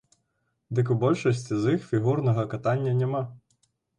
Дык у большасці з іх фігурнага катання няма.